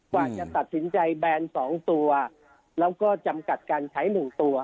กว่าจะตัดสินใจแบน๒ตัวแล้วก็จำกัดการใช้๑ตัว